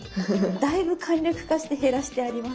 だいぶ簡略化して減らしてあります。